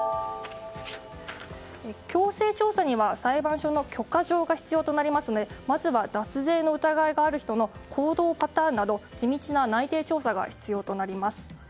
強制調査には裁判所の許可状が必要となりますのでまずは脱税の疑いがある人の行動パターンなど地道な内偵調査が必要となります。